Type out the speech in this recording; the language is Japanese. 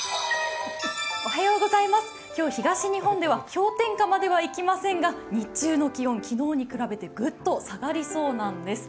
今日、東日本では氷点下まではいきませんが日中の気温、昨日に比べてグッと下がりそうなんです。